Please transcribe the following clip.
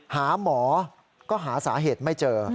หาหมอก็หาสาเหตุไม่เจอ